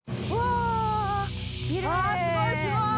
あすごいすごい！